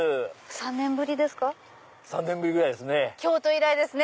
３年ぶりぐらいですね。